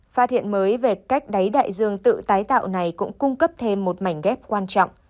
phát hiện mới về cách đáy đại dương tự tái tạo này cũng cung cấp thêm một mảnh ghép quan trọng